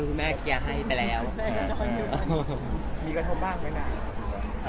แอดมิตกินคู่อย่างนี้ใครเหล่าใครคะ